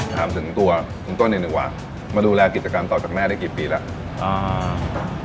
ถามถึงตัวตัวนี้หนี่กว่ามาดูแลกิจกรรมต่อจากแม่ได้กี่ปีแล้ว